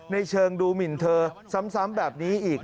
ในเชิงดูหมินเธอซ้ำแบบนี้อีก